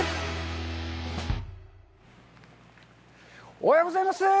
おはようございます。